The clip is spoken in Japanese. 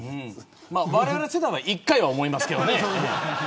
われわれ世代は一回は思いますけどね。